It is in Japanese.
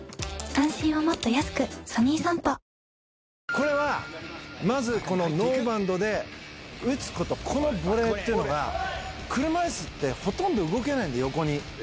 これは、まずこのノーバンドで打つこと、このボレーっていうのが、車いすってほとんど動けないんで、横に。